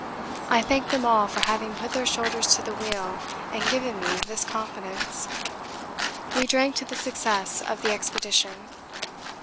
I thanked them all for having put their shoulders to the wheel and given me this confidence. We drank to the Success of the Expedition.